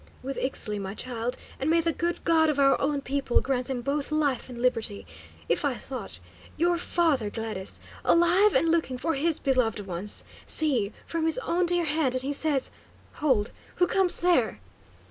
"With Ixtli, my child, and may the good God of our own people grant them both life and liberty! If I thought your father, Gladys! Alive and looking for his beloved ones! See! from his own dear hand, and he says Hold! who comes there?"